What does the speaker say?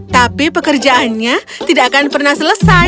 tapi pekerjaannya tidak akan pernah selesai